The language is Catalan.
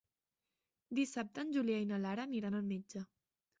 Dissabte en Julià i na Lara aniran al metge.